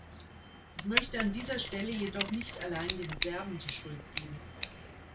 Ich möchte an dieser Stelle jedoch nicht allein den Serben die Schuld geben.